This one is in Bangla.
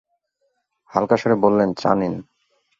হালকা স্বরে বললেন, চা নিন।